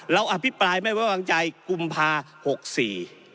เราอภิปรายไม่เว้อกลังใจกลุ่มภาหกสี่